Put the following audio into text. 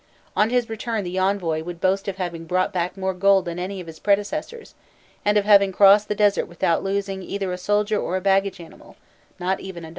On his return the envoy would boast of having brought back more gold than any of his predecessors, and of having crossed the desert without losing either a soldier or a baggage animal, not even a donkey.